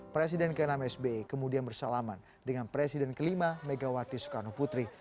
presiden ke enam sbe kemudian bersalaman dengan presiden ke lima megawati soekarno putri